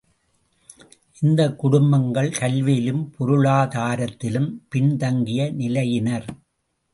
இந்தக் குடும்பங்கள் கல்வியிலும் பொருளாதாரத்திலும் பின்தங்கிய நிலையினர்.